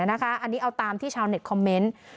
อันนี้เอาตามที่ชาวเน็ตคอมเมนต์